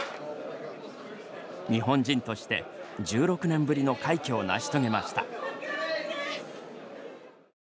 日本人として１６年ぶりの快挙を成し遂げました。